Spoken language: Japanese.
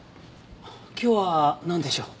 今日はなんでしょう？